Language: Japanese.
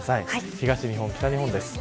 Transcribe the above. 東日本、北日本です。